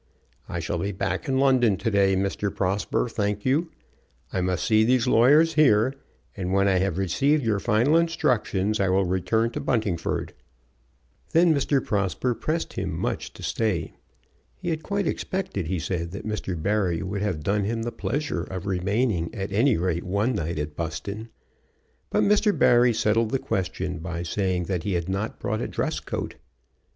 "I shall be back in London to day, Mr. Prosper, thank you. I must see these lawyers here, and when I have received your final instructions I will return to Buntingford." Then Mr. Prosper pressed him much to stay. He had quite expected, he said, that Mr. Barry would have done him the pleasure of remaining at any rate one night at Buston. But Mr. Barry settled the question by saying that he had not brought a dress coat.